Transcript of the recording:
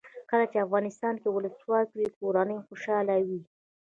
کله چې افغانستان کې ولسواکي وي کورنۍ خوشحاله وي.